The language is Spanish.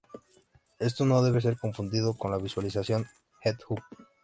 Esto no debe ser confundido con la visualización "head-up".